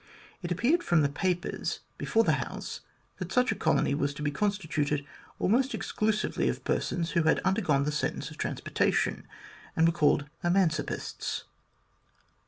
It appeared from the papers before the House that such a colony was to be constituted almost exclusively of persons who had under gone the sentence of transportation, and were called eman cipists.